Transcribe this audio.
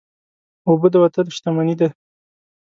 اوبه د وطن شتمني ده.